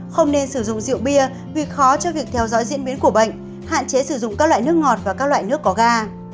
không nên sử dụng rượu bia vì khó cho việc theo dõi diễn biến của bệnh hạn chế sử dụng các loại nước ngọt và các loại nước có ga